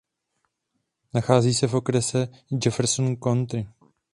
Nachází se v okrese Jefferson County.